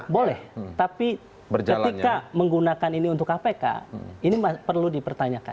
boleh tapi ketika menggunakan ini untuk kpk ini perlu dipertanyakan